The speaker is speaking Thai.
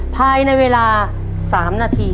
ภายในเวลา๓นาที